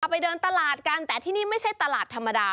ไปเดินตลาดกันแต่ที่นี่ไม่ใช่ตลาดธรรมดา